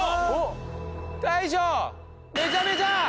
大昇めちゃめちゃ！